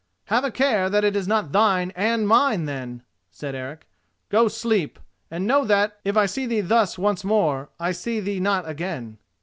"Have a care that it is not thine and mine, then!" said Eric. "Go, sleep; and know that, if I see thee thus once more, I see thee not again."